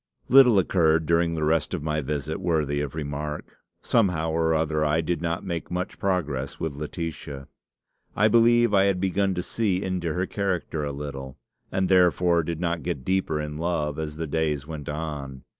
"Little occurred during the rest of my visit worthy of remark. Somehow or other I did not make much progress with Laetitia. I believe I had begun to see into her character a little, and therefore did not get deeper in love as the days went on.